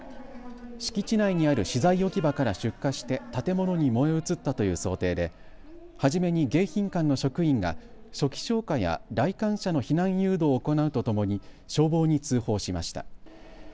敷地内にある資材置き場から出火して建物に燃え移ったという想定で初めに迎賓館の職員が初期消火や来館者の避難誘導を行うとともに消防に通報しました。